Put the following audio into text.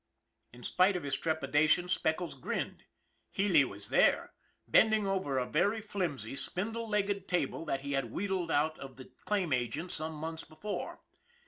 In spite of his trepidation, Speckles grinned. Healy was there, bending over a very flimsy, spindle legged table that he had wheedled out of the claim agent some months before.